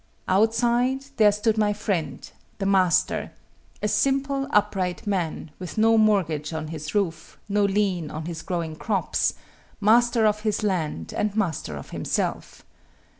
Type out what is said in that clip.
Outside, there stood my friend, the master, a simple, upright man, with no mortgage on his roof, no lien on his growing crops, master of his land and master of himself.